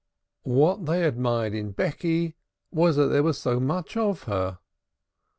What they admired in Becky was that there was so much of her.